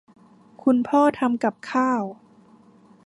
คุณพ่อทำกับข้าว